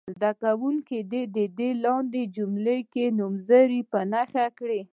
زده کوونکي دې په لاندې جملو کې نومځري په نښه کړي.